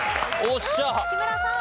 木村さん。